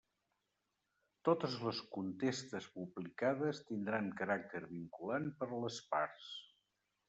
Totes les contestes publicades tindran caràcter vinculant per a les parts.